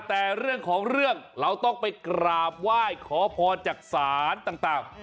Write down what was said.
แต่เรื่องของเรื่องเราต้องไปกราบไหว้ขอพรจากศาลต่าง